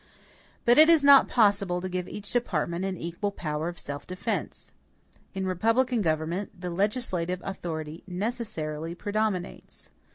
But it is not possible to give to each department an equal power of self defense. In republican government, the legislative authority necessarily predominates.